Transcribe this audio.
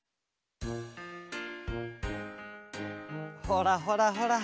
ほらほらほら。